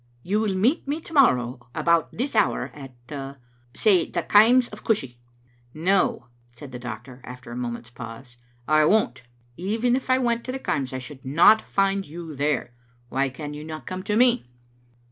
You will meet me to morrow about this hour at — say the Kaims of Cushie?" "No," said the doctor after a moment's pause; "I won't. Even if I went to the Kaims I should not find you there. Why can you not come to me?"